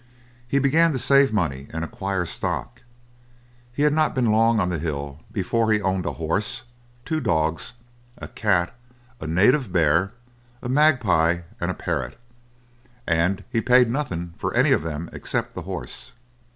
He began to save money and acquire stock. He had not been long on the hill before he owned a horse, two dogs, a cat, a native bear, a magpie, and a parrot, and he paid nothing for any of them except the horse.